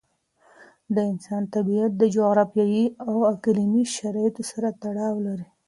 د انسان طبیعت د جغرافیایي او اقليمي شرایطو سره تړاو لري.